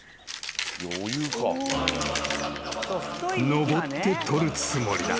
［登って取るつもりだ］